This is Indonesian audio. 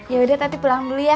yaudah tati pulang dulu ya